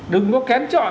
đừng có kém chọn